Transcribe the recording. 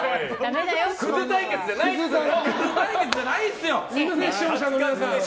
クズ対決じゃないから！